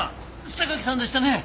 榊さんでしたね！？